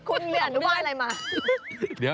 คุณเหมือนว่าอะไรมา